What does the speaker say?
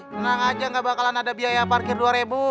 senang aja gak bakalan ada biaya parkir dua ribu